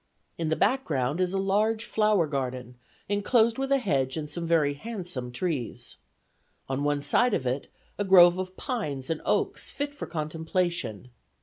In the background is a large flower garden, enclosed with a hedge and some very handsome trees. On one side of it, a grove of pines and oaks fit for contemplation.